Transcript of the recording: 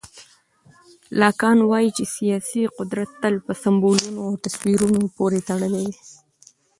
لاکان وایي چې سیاسي قدرت تل په سمبولونو او تصویرونو پورې تړلی وي.